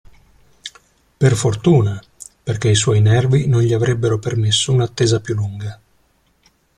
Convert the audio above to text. Per fortuna, perché i suoi nervi non gli avrebbero permesso un'attesa più lunga.